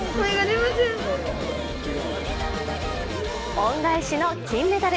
恩返しの金メダル。